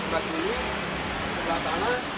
yang di sini aja